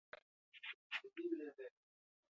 Ekonometria-irakasle izan zen Osloko Unibertsitatean.